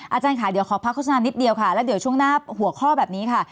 อาจารย์ค่ะเดี๋ยวขอพักโฆษณานิดเดียวค่ะแล้วเดี๋ยวช่วงหน้าหัวข้อแบบนี้ค่ะ